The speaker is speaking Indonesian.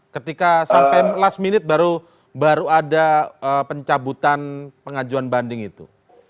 ketika sampai last minute baru ada pencabutan pengajuan banding itu